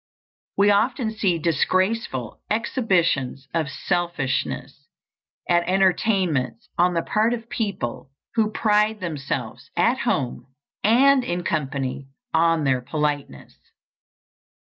We often see disgraceful exhibitions of selfishness at entertainments on the part of people who pride themselves at home and in company on their politeness.